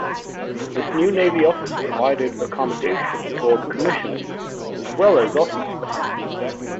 This new Navy Office provided accommodation for the Commissioners, as well as office space.